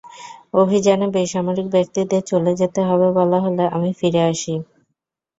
অভিযানে বেসামরিক ব্যক্তিদের চলে যেতে হবে বলা হলে আমি ফিরে আসি।